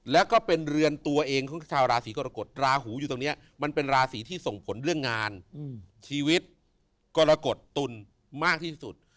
แล้วก็เป็นเรือนตัวเองของชาวราศีกรกฎราหูอยู่ตรงนี้มันเป็นราศีที่ส่งผลเรื่องงานชีวิตกรกฎตุลมากที่สุด